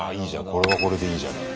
これはこれでいいじゃない。